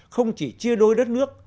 không chỉ chia đôi đất nước